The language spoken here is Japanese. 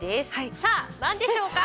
さあなんでしょうか？